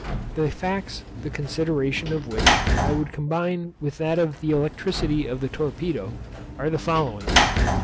The facts, the consideration of which I would combine with that of the electricity of the torpedo, are the following.